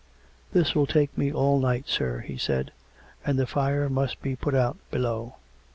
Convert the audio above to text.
" This will take me all night, sir," he said. " And the fire must be put out below."